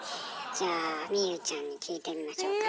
じゃあ望結ちゃんに聞いてみましょうかね。